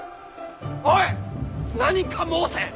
おい何か申せ！